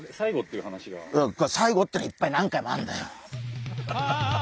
最後ってのはいっぱい何回もあるんだよ。